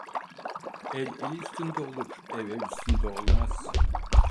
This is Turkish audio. El el üstünde olur, ev ev üstünde olmaz.